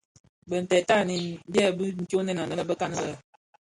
Bintèd tanin byèbi tyonèn anëbekan lè.